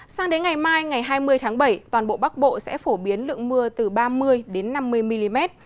sang đến ngày mai ngày hai mươi tháng bảy toàn bộ bắc bộ sẽ phổ biến lượng mưa từ ba mươi năm mươi mm